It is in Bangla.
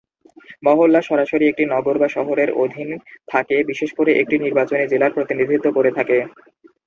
মহল্লা সরাসরি একটি নগর বা শহরের অধীন থাকে, বিশেষ করে একটি নির্বাচনী জেলার প্রতিনিধিত্ব করে থাকে।